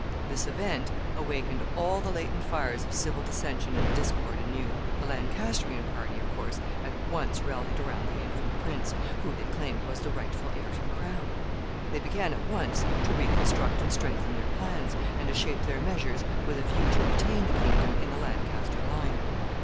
This event awakened all the latent fires of civil dissension and discord anew. The Lancastrian party, of course, at once rallied around the infant prince, who, they claimed, was the rightful heir to the crown. They began at once to reconstruct and strengthen their plans, and to shape their measures with a view to retain the kingdom in the Lancaster line.